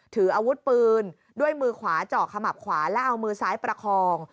ถืออาวุธปืนด้วยมือขวาเจาะขมับขวาและเอามือซ้ายประคอง